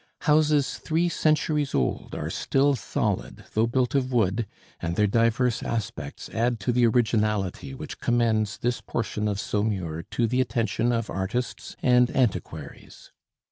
Houses three centuries old are still solid, though built of wood, and their divers aspects add to the originality which commends this portion of Saumur to the attention of artists and antiquaries.